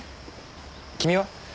君は？